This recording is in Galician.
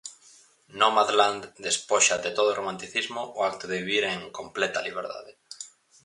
Nomadland despoxa de todo romanticismo o acto de vivir en "completa liberdade".